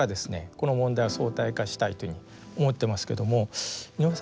この問題を相対化したいというふうに思ってますけども井上さん